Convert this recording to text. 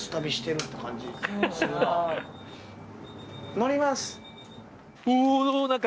乗ります。